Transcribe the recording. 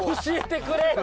教えてくれ！